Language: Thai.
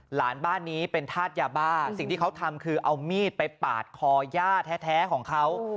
หลานบ้านนี้เป็นธาตุยาบ้าสิ่งที่เขาทำคือเอามีดไปปาดคอย่าแท้ของเขา